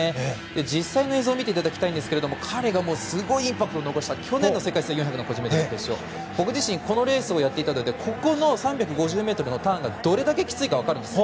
実際の映像を見ていただきたいんですけれども彼がすごいインパクトを残した去年の決勝僕自身このレースをやっていてこの３５０ｍのターンがどれだけきついか分かるんです。